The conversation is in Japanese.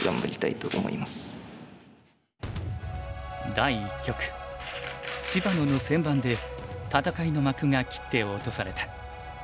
第一局芝野の先番で戦いの幕が切って落とされた。